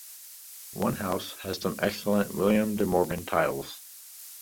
One house has some excellent William De Morgan tiles.